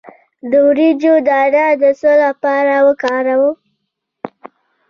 د وریجو دانه د څه لپاره وکاروم؟